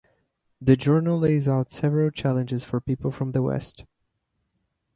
The journal lays out several challenges for people from the West.